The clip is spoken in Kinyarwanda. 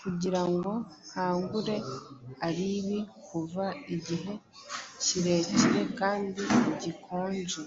kugira ngo nkangure Alibi kuva igihe kirekire kandi gikonje;